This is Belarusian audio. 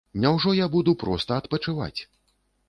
Няўжо я буду проста адпачываць?